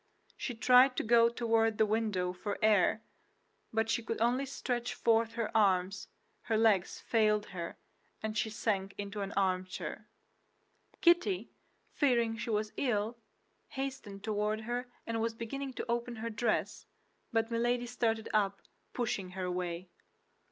She tried to go toward the window for air, but she could only stretch forth her arms; her legs failed her, and she sank into an armchair. Kitty, fearing she was ill, hastened toward her and was beginning to open her dress; but Milady started up, pushing her away.